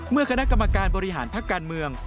เมื่อคณะกรรมการบริหารพักการเมือง